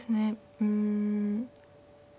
うん